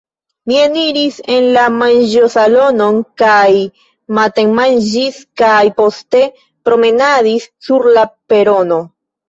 Mi eniris en la manĝosalonon kaj matenmanĝis kaj poste promenadis sur la perono.